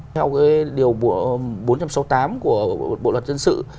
theo cái điều bốn trăm sáu mươi tám của bộ luật dân sự